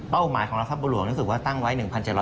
เป้าหมายของรัฐบาลวงศ์นึกสึกว่าตั้งไว้๑๗๖๐